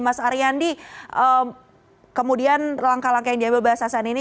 mas ariandi kemudian langkah langkah yang diambil bssn ini